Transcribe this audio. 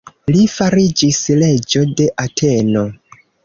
Li fariĝis reĝo de Ateno.